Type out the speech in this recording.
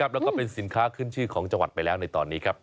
๑๐๐๐๐บาทเลยนะครับแล้วก็เป็นสินค้าขึ้นชื่อของจังหวัดไปแล้วในตอนนี้ครับ